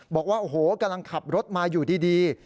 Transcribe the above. บอกว่าโอ้โหกำลังขับรถมาอยู่ดี